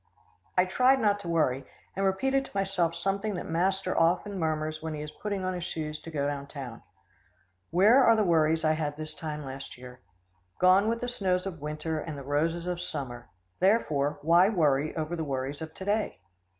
I tried not to worry, and repeated to myself something that master often murmurs when he is putting on his shoes to go down town. "Where are the worries I had this time last year? Gone with the snows of winter, and the roses of summer. Therefore, why worry over the worries of to day?"